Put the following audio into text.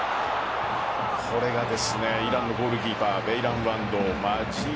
これがイランのゴールキーパーベイランヴァンド。